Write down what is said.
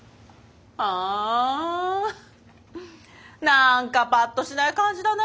何かパッとしない感じだな。